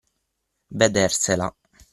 Vedersela.